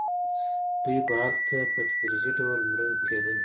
دوی به هلته په تدریجي ډول مړه کېدل.